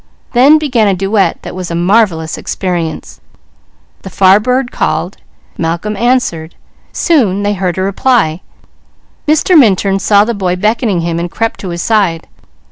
Then began a duet that was a marvellous experience. The far bird called. Malcolm answered. Soon they heard a reply. Mr. Minturn saw the boy beckoning him, and crept to his side.